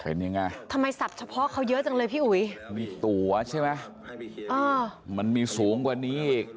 เป็นยังไงทำไมสับเฉพาะเขาเยอะจังเลยพี่อุ๋ยมีตัวใช่ไหมมันมีสูงกว่านี้อีก